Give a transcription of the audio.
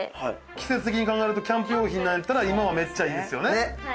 季節的に考えるとキャンプ用品なんやったら今はめっちゃいいですよね。